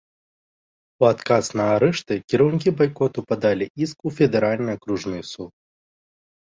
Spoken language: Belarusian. У адказ на арышты кіраўнікі байкоту падалі іск у федэральны акружны суд.